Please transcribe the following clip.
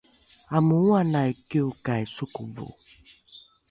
amooanai kiokai sokovo